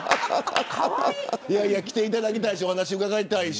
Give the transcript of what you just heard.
来ていただきたいしお話を伺いたいし。